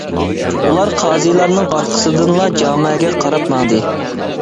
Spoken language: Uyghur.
ئۇلار قازىلارنىڭ ئارقىسىدىنلا جامەگە قاراپ ماڭدى.